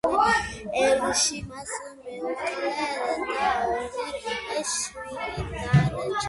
ერში მას მეუღლე და ორი შვილი დარჩა.